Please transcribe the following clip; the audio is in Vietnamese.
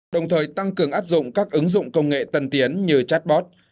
đồng thời tăng cường áp dụng các ứng dụng công nghệ tân tiến như chatbot